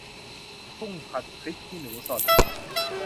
กุ้งผัดพริกขี้หนูสด